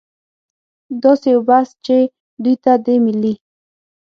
داسې یو بحث چې دوی ته د ملي